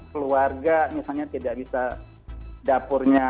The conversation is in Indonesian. keluarga misalnya tidak bisa dapurnya